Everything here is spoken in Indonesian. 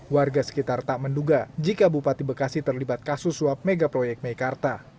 warga sekitar tak menduga jika bupati bekasi terlibat kasus suap mega proyek meikarta